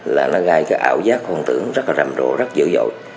là nó gây cái ảo giác hùng tưởng rất là rầm rộ rất dữ dội